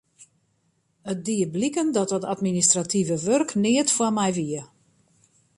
It die bliken dat dat administrative wurk neat foar my wie.